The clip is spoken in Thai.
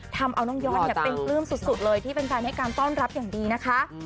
ทำเอาน้องยอดเนี่ยเป็นปลื้มสุดเลยที่แฟนให้การต้อนรับอย่างดีนะคะ